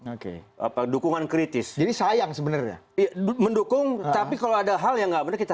oke apa dukungan kritis jadi sayang sebenarnya mendukung tapi kalau ada hal yang nggak benar kita